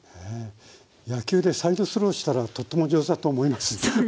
野球でサイドスローしたらとっても上手だと思います。